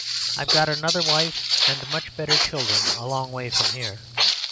I've got another wife and much better children a long way from here.